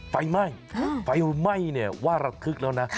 ไฟไหม้ไฟไหม้เนี่ยว่าระทึกแล้วนะ